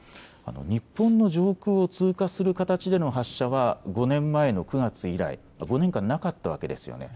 日本の上空を通過する形での発射は５年前の９月以来、５年間なかったわけですよね。